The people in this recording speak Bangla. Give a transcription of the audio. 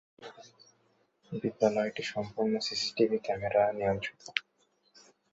বিদ্যালয়টি সম্পূর্ণ "সিসিটিভি ক্যামেরা" নিয়ন্ত্রিত।